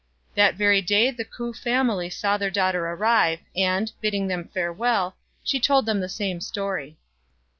That very day the K'ou family saw their daughter arrive, and, bidding them farewell, she told them the same story.